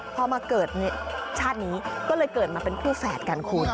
พอมาเกิดชาตินี้ก็เลยเกิดมาเป็นคู่แฝดกันคุณ